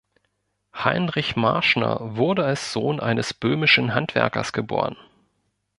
Heinrich Marschner wurde als Sohn eines böhmischen Handwerkers geboren.